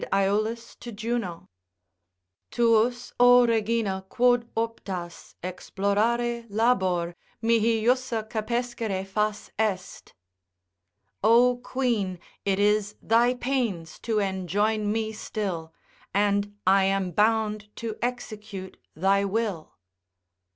Aeolus to Juno. ———Tuus o regina quod optas Explorare labor, mihi jussa capescere fas est. O queen it is thy pains to enjoin me still, And I am bound to execute thy will.